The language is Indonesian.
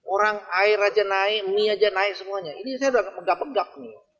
orang air aja naik mie aja naik semuanya ini saya udah megap begap nih